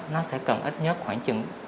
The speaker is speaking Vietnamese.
nó sẽ cần ít nhất khoảng chừng